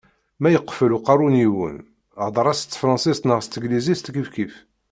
Ma yeqfel uqerru n yiwen, hder-as s tefransist neɣ s teglizit, kifkif.